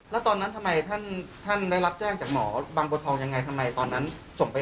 เนี่ยก็เพียงบอกตอนนี้ไงว่าคุณย่าบอกแล้วคุณย่าให้ข่าวตั้งแต่วันที่หนึ่งแล้ว